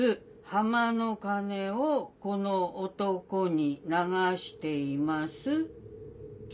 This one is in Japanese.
「浜の金をこの男に流しています」。